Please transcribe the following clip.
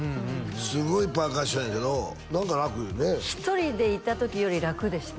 すごいパーカッションやけど何か楽よね１人でいた時より楽ですね